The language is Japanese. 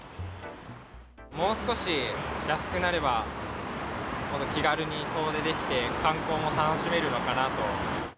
もう少し安くなれば、気軽に遠出できて観光も楽しめるのかなと。